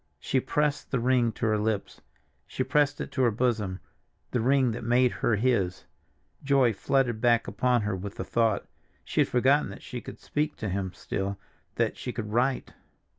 She pressed the ring to her lips, she pressed it to her bosom—the ring that made her his—joy flooded back upon her with the thought. She had forgotten that she could speak to him still, that she could write.